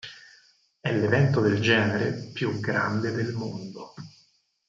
È l'evento del genere più grande del mondo.